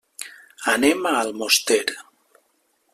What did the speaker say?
Anem a Almoster.